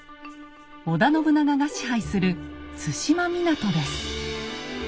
織田信長が支配する津島湊です。